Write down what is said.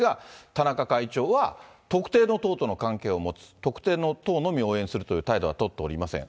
田中会長は、特定の党との関係を持つ、特定の党のみを応援するという態度は取っておりません。